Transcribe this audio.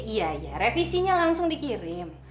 iya ya revisinya langsung dikirim